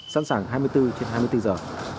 sẵn sàng hai mươi bốn trên hai mươi bốn giờ